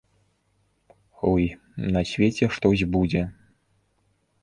Ой, на свеце штось будзе!